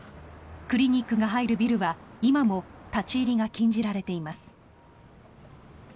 クリニックが入るビルは今も立ち入りが禁じられています。